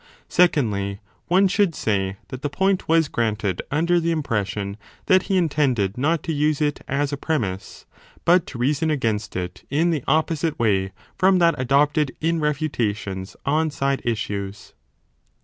Secondly, one should say that the point was granted under the impression that he intended not to use it as a premiss, but to reason against it, 3 20 in the opposite way from that adopted in refutations on side issues.